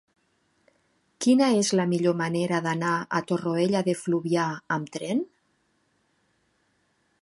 Quina és la millor manera d'anar a Torroella de Fluvià amb tren?